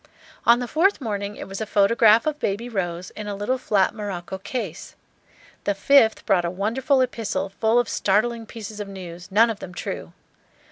On the fourth morning it was a photograph of Baby Rose, in a little flat morocco case. The fifth brought a wonderful epistle, full of startling pieces of news, none of them true.